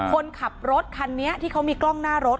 คนขับรถคันนี้ที่เขามีกล้องหน้ารถ